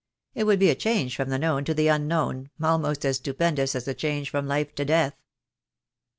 It would be a change from the known to the unknown, almost as stupendous as the change from life to death."